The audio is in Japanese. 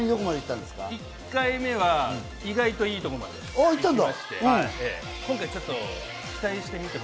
１回目は意外といいところまで行きまして。